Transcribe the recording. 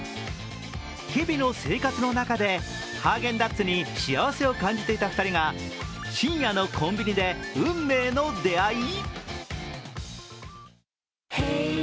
日々の生活の中でハーゲンダッツに幸せを感じていた２人が深夜のコンビニで運命の出会い？